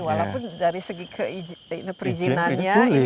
walaupun dari segi keizinannya